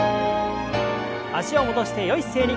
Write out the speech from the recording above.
脚を戻してよい姿勢に。